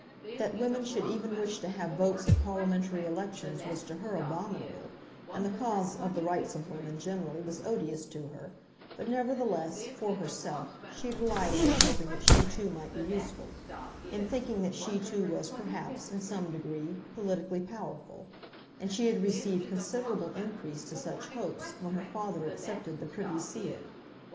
That women should even wish to have votes at parliamentary elections was to her abominable, and the cause of the Rights of Women generally was odious to her; but, nevertheless, for herself, she delighted in hoping that she too might be useful, in thinking that she too was perhaps, in some degree, politically powerful; and she had received considerable increase to such hopes when her father accepted the Privy Seal.